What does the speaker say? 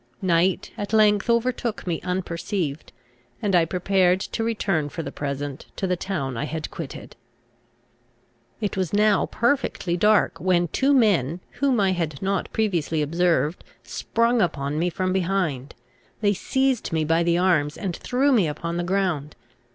Night at length overtook me unperceived, and I prepared to return for the present to the town I had quitted. It was now perfectly dark, when two men, whom I had not previously observed, sprung upon me from behind. They seized me by the arms, and threw me upon the ground.